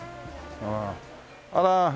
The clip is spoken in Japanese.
あら。